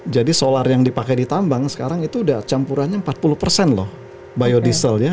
jadi solar yang dipakai ditambang sekarang itu udah campurannya empat puluh loh biodiesel ya